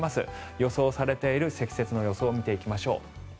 予想されている積雪の予想を見ていきましょう。